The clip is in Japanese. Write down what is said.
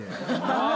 ああ。